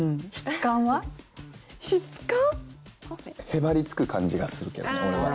へばりつく感じがするけどね俺は。